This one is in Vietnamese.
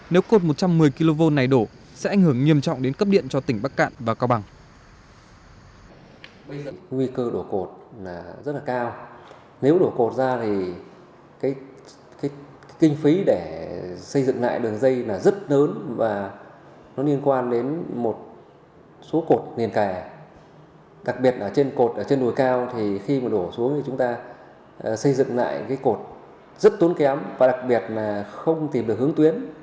nếu cột một trăm một mươi kv này đổ sẽ ảnh hưởng nghiêm trọng đến cấp điện cho tỉnh bắc cạn và cao bằng